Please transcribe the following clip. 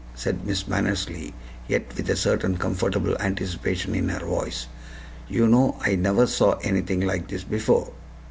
said Miss Mannersley, yet with a certain comfortable anticipation in her voice. "You know, I never saw anything like this before.